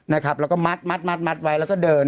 นะครับแล้วก็มัดไว้แล้วก็เดิน